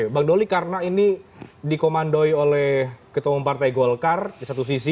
bang doli karena ini dikomandoi oleh ketua umum partai golkar di satu sisi